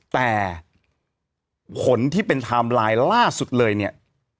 แต่ผลที่เป็นไทม์ไลน์ล่าสุดเลยเนี่ย